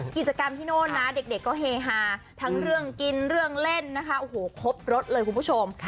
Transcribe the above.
กิจกรรมที่โน่นนะเด็กก็เฮฮาทั้งเรื่องกินเรื่องเล่นนะคะโอ้โหครบรสเลยคุณผู้ชม